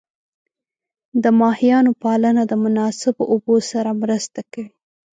د ماهیانو پالنه د مناسب اوبو سره مرسته کوي.